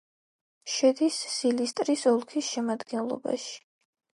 შედის სილისტრის ოლქის შემადგენლობაში.